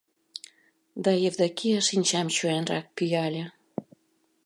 — Да Евдокия шинчам чоянрак пӱяле: